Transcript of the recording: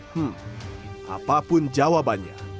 hmm apapun jawabannya